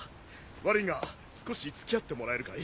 悪いが少し付き合ってもらえるかい？